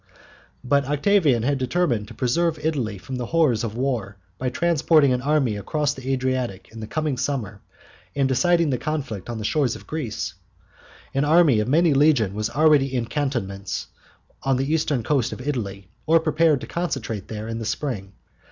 But Octavian had determined to preserve Italy from the horrors of war, by transporting an army across the Adriatic in the coming summer and deciding the conflict on the shores of Greece. An army of many legions was already in cantonments on the eastern coast of Italy, or prepared to concentrate there in the spring.